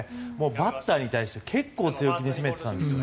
バッターに対して結構、強気に攻めてたんですよ。